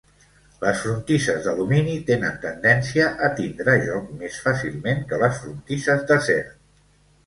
Les frontisses d'alumini tenen tendència a tindre joc més fàcilment que les frontisses d'acer.